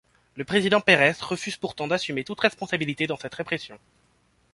Le président Pérez refuse pourtant d'assumer toute responsabilité dans cette répression.